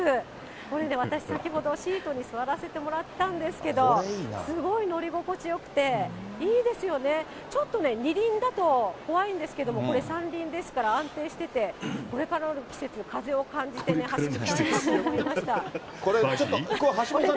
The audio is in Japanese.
これね、私先ほどシートに座らせてもらったんですけど、すごい乗り心地よくて、いいですよね、ちょっとね、２輪だと怖いんですけれども、これ、３輪ですから、安定してて、これからの季節、風を感じて走りたいこれ、橋下さん